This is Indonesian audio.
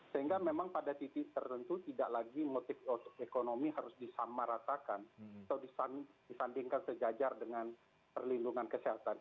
sehingga memang pada titik tertentu tidak lagi motif ekonomi harus disamaratakan atau disandingkan sejajar dengan perlindungan kesehatan